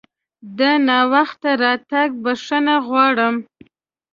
د ناوخته راتګ بښنه غواړم!